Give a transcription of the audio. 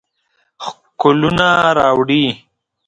ښکلونه راوړي